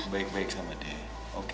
baik baik sama dia oke